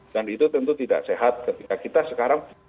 dan itu tentu tidak sehat ketika kita sekarang